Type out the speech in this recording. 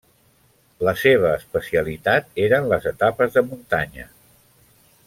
La seva especialitat eren les etapes de muntanya.